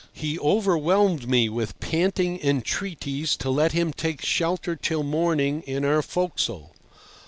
He overwhelmed me with panting entreaties to let him take shelter till morning in our forecastle.